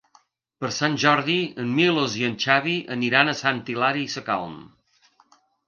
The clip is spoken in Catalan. Per Sant Jordi en Milos i en Xavi aniran a Sant Hilari Sacalm.